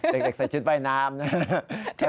เด็กใส่ชุดใบน้ำ